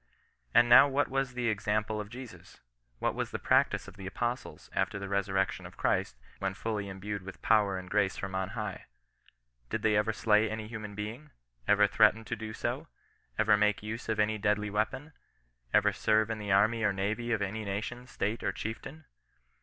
And now what was the example of Jesus ? What was the practice of the Apostles, after the resurrection of Christ, when fully endued with power and grace from on high ? Did they ever slay any human being 1 Ever threaten to do so ? Ever make use of any deadly weapon ? Ever serve in the army or navy of any nation, state, or chieftain?